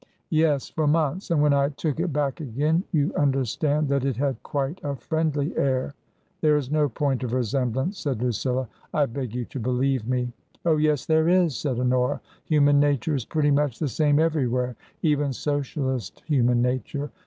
" Yes ; for months. And when I took it back again, you understand that it had quite a friendly air ?"" There is no point of resemblance," said Lucilla. " I beg you to believe me." " Oh, yes, there is," said Honora ;" human nature is pretty much the same everywhere, even Socialist human nature.